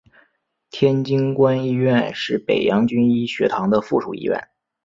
天津官医院是北洋军医学堂的附属医院。